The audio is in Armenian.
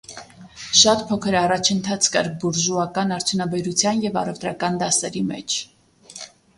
Շատ փոքր առաջընթաց կար բուրժուական արդյունաբերության և առևտրական դասերի մեջ։